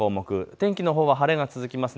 天気のほうは晴れが続きます。